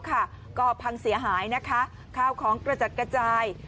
ค่าของกระจกาจาย